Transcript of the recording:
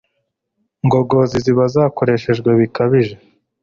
ngogozi ziba zakoreshejwe bikabije